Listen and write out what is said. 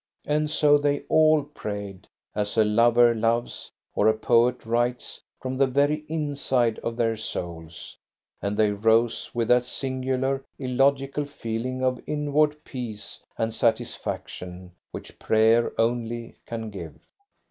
And so they all prayed, as a lover loves, or a poet writes, from the very inside of their souls, and they rose with that singular, illogical feeling of inward peace and satisfaction which prayer only can give.